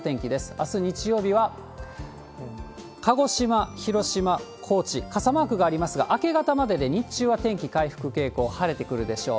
あす日曜日は鹿児島、広島、高知、傘マークがありますが、明け方までで日中は天気回復傾向、晴れてくるでしょう。